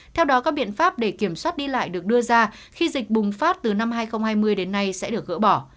theo đó các biện pháp để kiểm soát đi lại được đưa ra khi dịch bùng phát từ năm hai nghìn hai mươi đến nay sẽ được gỡ bỏ